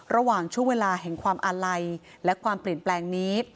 ระหว่างช่วงเวลาแห่งความอาลัยและความเปลี่ยนแปลงนี้